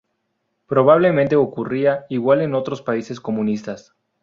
Probablemente ocurría igual en otros países comunistas.